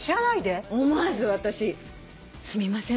思わず私すみません